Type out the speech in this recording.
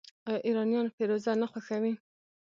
آیا ایرانیان فیروزه نه خوښوي؟